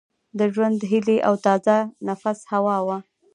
د ژوند هیلي او تازه نفس هوا وه